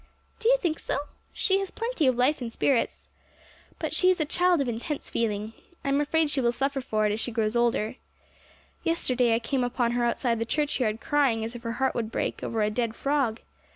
'Do you think so? She has plenty of life and spirits. But she is a child of intense feeling. I am afraid she will suffer for it as she grows older. Yesterday I came upon her outside the churchyard crying, as if her heart would break, over a dead frog.